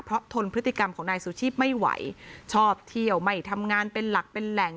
เพราะทนพฤติกรรมของนายสุชีพไม่ไหวชอบเที่ยวไม่ทำงานเป็นหลักเป็นแหล่ง